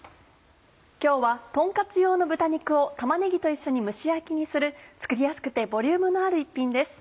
今日はとんカツ用の豚肉を玉ねぎと一緒に蒸し焼きにする作りやすくてボリュームのある一品です。